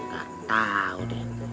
gak tau den